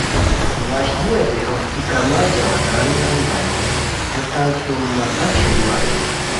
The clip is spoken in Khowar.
وشلی دیہو ای کمہ جوانانان گانی ہیتان سُم مدد شروع اریر